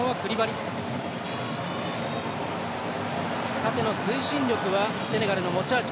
縦の推進力はセネガルの持ち味。